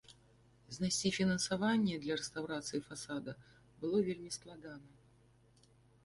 Знайсці фінансаванне для рэстаўрацыі фасада было вельмі складана.